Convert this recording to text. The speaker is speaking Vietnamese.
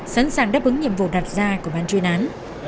sẵn sàng đáp ứng nhiệm vụ đặt ra của ban chuyên án